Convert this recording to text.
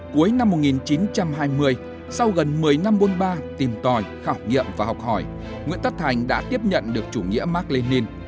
cuối năm một nghìn chín trăm hai mươi sau gần một mươi năm buôn ba tìm tòi khảo nghiệm và học hỏi nguyễn tất thành đã tiếp nhận được chủ nghĩa mark lenin